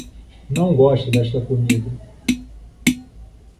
Não gosto desta comida.